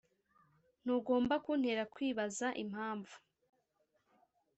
ntugomba kuntera kwibaza impamvu.